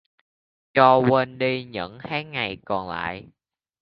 Cho quên đi những tháng ngày còn lại